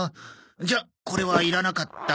じゃあこれはいらなかったか。